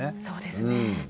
そうですね。